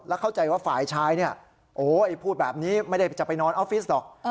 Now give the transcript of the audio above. แล้วเข้าใจว่าฝ่ายชายพูดแบบนี้ไม่ได้จะไปนอนออฟฟิศหรอก